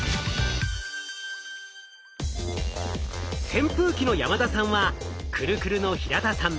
扇風機の山田さんはクルクルの平田さん